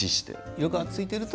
色がついていると？